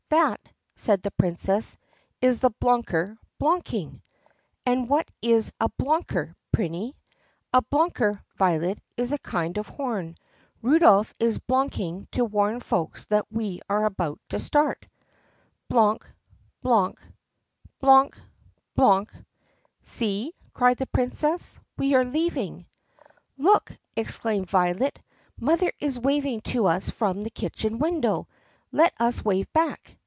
"That," said the Princess, "is the bloonker bloonking." "And what is a bloonker, Prinny *?" "A bloonker, Violet, is a kind of horn. Rudolph is bloonk ing to warn folks that we are about to start." "BLOONK! BLOONK!" "BLOONK! BLOONK!" "See!" cried the Princess, "we are leaving!" "Look!" exclaimed Violet, "mother is waving to us from the kitchen window. Let us wave back!"